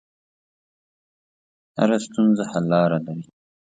هره ستونزه حل لاره لري.